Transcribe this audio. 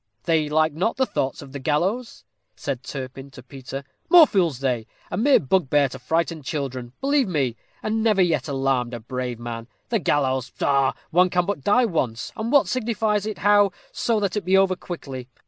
"They like not the thoughts of the gallows," said Turpin to Peter. "More fools they. A mere bugbear to frighten children, believe me; and never yet alarmed a brave man. The gallows, pshaw! One can but die once, and what signifies it how, so that it be over quickly.